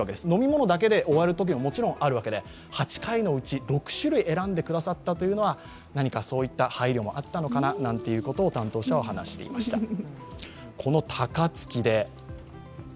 飲み物だけで終わることももちろんあるわけで８回のうち６種類選んでくださったのは何かそういった配慮もあったのかななんていうことを担当者は話していました。